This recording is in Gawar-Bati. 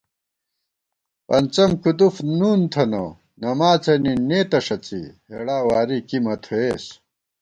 پنڅَم کُدُف نُون تھنہ، نماڅَنی نېتہ ݭڅی، ہېڑا واری کی مہ تھویېس